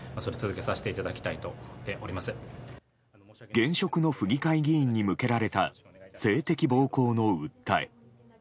現職の府議会議員に向けられた性的暴行の訴え。